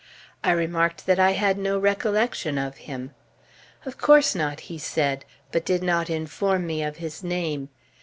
I remarked that I had no recollection of him. "Of course not," he said, but did not inform me of his name.